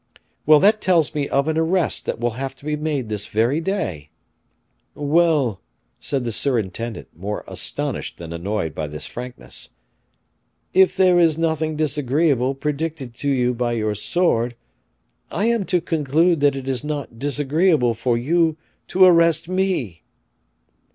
"Well, that tells me of an arrest that will have to be made this very day." "Well," said the surintendant, more astonished than annoyed by this frankness, "if there is nothing disagreeable predicted to you by your sword, I am to conclude that it is not disagreeable for you to arrest me."